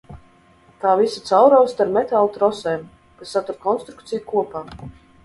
Tā visa caurausta ar metāla trosēm, kas satur konstrukciju kopā.